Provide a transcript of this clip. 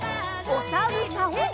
おさるさん。